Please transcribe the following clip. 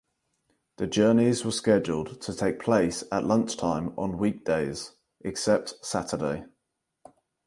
The journeys were scheduled to take place at lunchtime on weekdays (except Saturday).